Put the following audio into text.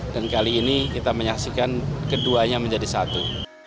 dan kali ini kita menyaksikan keduanya menjadi satu